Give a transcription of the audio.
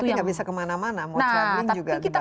tapi nggak bisa kemana mana terlalu push away juga dibatasi